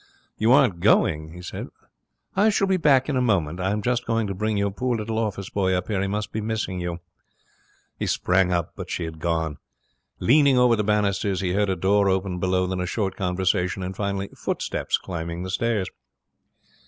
'You aren't going?' he said. 'I shall be back in a moment. I'm just going to bring your poor little office boy up here. He must be missing you.' He sprang up, but she had gone. Leaning over the banisters, he heard a door open below, then a short conversation, and finally footsteps climbing the stairs.